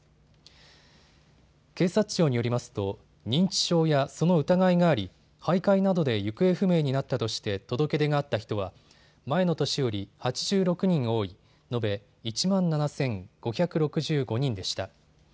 警察庁によりますと、認知症やその疑いがありはいかいなどで行方不明になったとして届け出があった人は前の年より８６人多い延べ１万７５６５人でした。